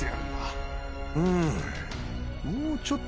うん。